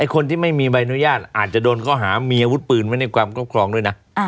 คนที่ไม่มีใบอนุญาตอาจจะโดนข้อหามีอาวุธปืนไว้ในความครอบครองด้วยนะ